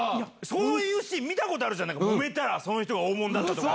そういうシーン見たことあるじゃん、もめたら、その人が大物だったとか。